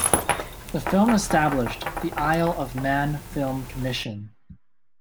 The film established the Isle of Man Film Commission.